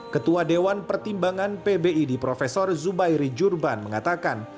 ketua dewan pertimbangan pbi di profesor zubairi jurban mengatakan